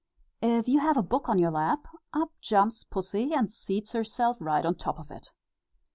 If you have a book in your lap, up jumps Pussy, and seats herself right on top of it.